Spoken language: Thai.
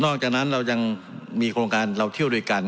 จากนั้นเรายังมีโครงการเราเที่ยวด้วยกัน